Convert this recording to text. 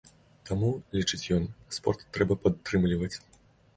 Таму, лічыць ён, спорт трэба падтрымліваць.